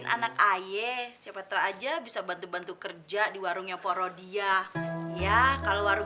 anak ayah siapa tahu aja bisa bantu bantu kerja di warungnya porodiah ya kalau warung